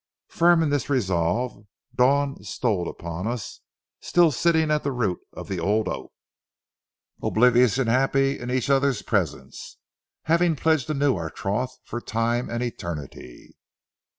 Firm in this resolve, dawn stole upon us, still sitting at the root of the old oak, oblivious and happy in each other's presence, having pledged anew our troth for time and eternity.